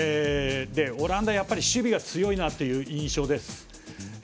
オランダは守備が強いなという印象です。